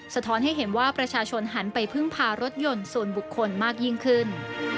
ท้อนให้เห็นว่าประชาชนหันไปพึ่งพารถยนต์ส่วนบุคคลมากยิ่งขึ้น